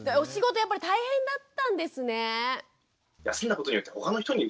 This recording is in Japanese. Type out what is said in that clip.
やっぱり大変だったんですね。